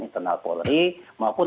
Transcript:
internal polri maupun